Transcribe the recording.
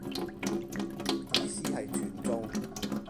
意思係全中